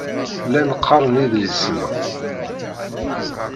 Llan qqaren idlisen.